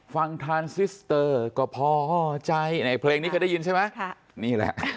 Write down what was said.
ทานซิสเตอร์ก็พอใจในเพลงนี้เคยได้ยินใช่ไหมนี่แหละ